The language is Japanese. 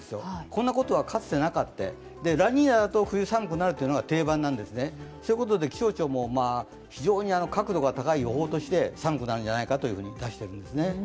こんなことはかつてなくて、ラニーニャだと冬、寒くなるのが定番なんですね、気象庁も非常に確度が高い予想として寒くなるんじゃないかと出しているんですね。